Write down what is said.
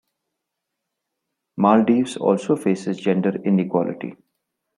Maldives also faces gender inequality.